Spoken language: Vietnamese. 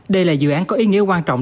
đây là dự án có ý nghĩa quan trọng